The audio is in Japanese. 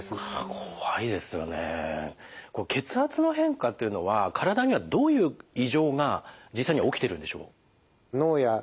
これ血圧の変化っていうのは体にはどういう異常が実際には起きてるんでしょう？